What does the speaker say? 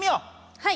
はい！